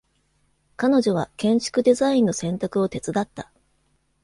彼女は建築デザインの選択を手伝った。